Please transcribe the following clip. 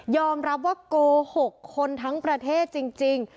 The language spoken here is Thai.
รับว่าโกหกคนทั้งประเทศจริง